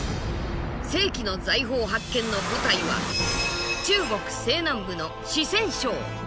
世紀の財宝発見の舞台は中国西南部の四川省。